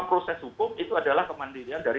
proses hukum itu adalah kemandirian dari